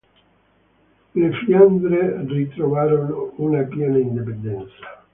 Le Fiandre ritrovarono una piena indipendenza.